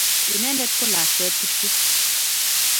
Inendet ko lakwet kityo.